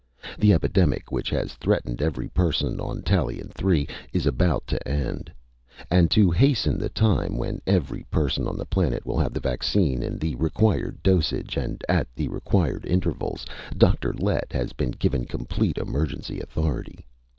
The epidemic which has threatened every person on Tallien Three is about to end! And to hasten the time when every person on the planet will have the vaccine in the required dosage and at the required intervals, Dr. Lett has been given complete emergency authority.